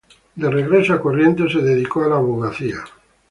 De regreso en Corrientes se dedicó a la abogacía.